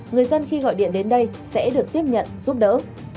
người dân khi gọi điện đến đây sẽ được tiếp nhận giúp đỡ